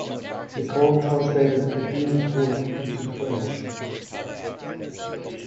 Nicole translated Adoum's work into French.